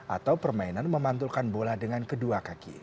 atau permainan memantulkan bola dengan kedua kaki